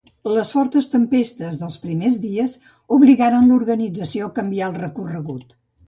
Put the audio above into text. Les fortes tempestes dels primers dies obligaren l'organització a canviar el recorregut.